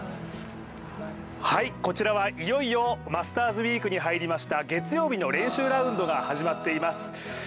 こちらはいよいよマスターズウイークに入りまし、月曜日の練習ラウンドが始まっています。